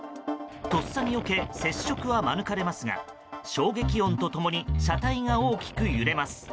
とっさによけ接触は免れますが衝撃音と共に車体が大きく揺れます。